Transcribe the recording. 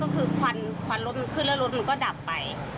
ก็คือควันรถมันขึ้นแล้วรถมันก็ดับไป